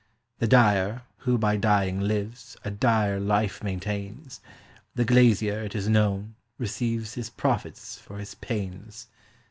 The dyer, who by dying lives, a dire life maintains; The glazier, it is known, receives his profits for his panes.